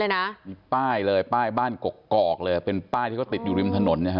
แบบนั้นเลยนะป้ายเลยป้ายบ้านกรกกรอกเลยเป็นป้ายที่เขาติดอยู่ริมถนนเนี่ยฮะ